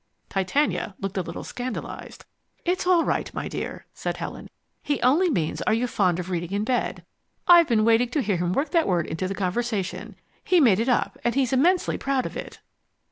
Titania looked a little scandalized. "It's all right, my dear," said Helen. "He only means are you fond of reading in bed. I've been waiting to hear him work that word into the conversation. He made it up, and he's immensely proud of it."